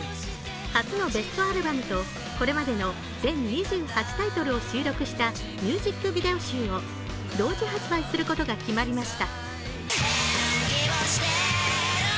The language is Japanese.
初のベストアルバムとこれまでの全２８タイトルを収録したミュージックビデオ集を同時発売することが決まりました。